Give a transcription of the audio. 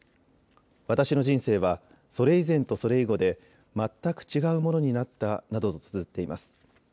私の人生はそれ以前とそれ以後で全く違うものになったなどとつづっています。